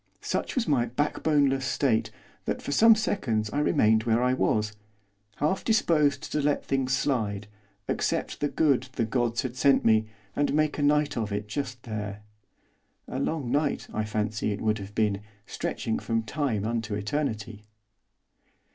Such was my backboneless state that for some seconds I remained where I was, half disposed to let things slide, accept the good the gods had sent me, and make a night of it just there. A long night, I fancy, it would have been, stretching from time unto eternity.